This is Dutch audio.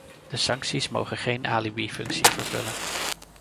De sancties mogen geen alibifunctie vervullen.